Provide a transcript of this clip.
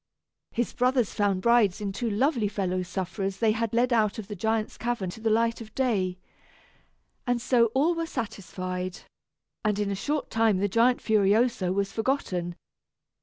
His brothers found brides in two lovely fellow sufferers they had led out of the giant's cavern to the light of day; and so all were satisfied, and in a short time the Giant Furioso was forgotten.